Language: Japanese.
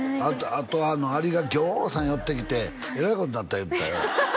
あとアリがぎょうさん寄ってきてえらいことなった言ってたよ嘘！？